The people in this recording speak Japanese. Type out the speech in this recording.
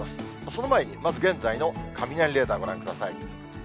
その前に、まず現在の雷レーダーご覧ください。